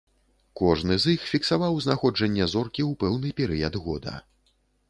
Кожны з іх фіксаваў знаходжанне зоркі ў пэўны перыяд года.